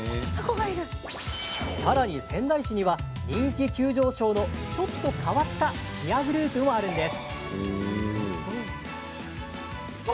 さらに仙台市には人気急上昇のちょっと変わったチアグループもあるんです。